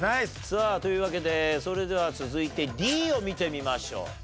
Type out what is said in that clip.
さあというわけでそれでは続いてＤを見てみましょう。